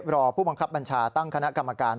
รอผู้บังคับบัญชาตั้งคณะกรรมการ